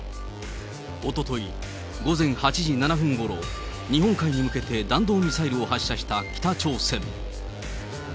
おととい午前８時７分ごろ、日本海に向けて弾道ミサイルを発射した北朝鮮。